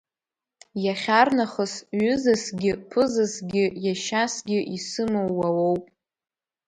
Иахьарнахыс ҩызасгьы, ԥызасгьы, иашьасгьы исымоу уа уоуп!